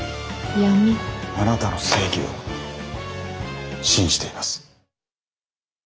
あなたの正義を信じています。